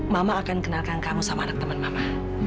mama akan kenalkan kamu sama anak teman mama